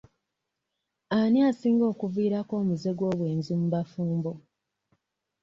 Ani asinga okuviirako omuze gw'obwenzi mu bafumbo?